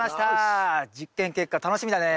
実験結果楽しみだね。